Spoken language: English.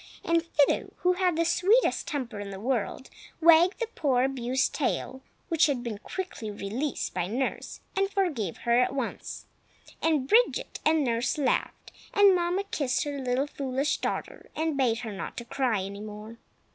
And Fido, who had the sweetest temper in the world, wagged the poor abused tail (which had been quickly released by nurse), and forgave her at once. And Bridget and nurse laughed; and Mamma kissed her little foolish daughter, and bade her not cry any more.